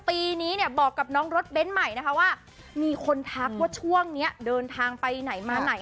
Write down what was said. ปีนี้เนี่ยบอกกับน้องรถเบ้นใหม่นะคะว่ามีคนทักว่าช่วงนี้เดินทางไปไหนมาไหน